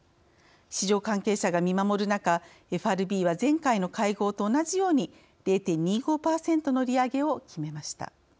市場関係者が見守る中ＦＲＢは前回の会合と同じように０．２５％の利上げを決めました。